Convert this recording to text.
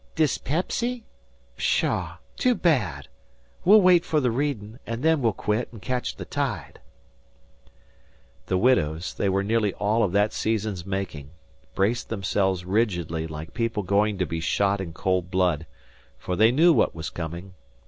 "Dispepsy? Pshaw too bad. We'll wait for the readin', an' then we'll quit, an' catch the tide." The widows they were nearly all of that season's making braced themselves rigidly like people going to be shot in cold blood, for they knew what was coming.